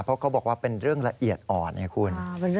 เพราะเขาบอกว่าเป็นเรื่องละเอียดอ่อนไงคุณ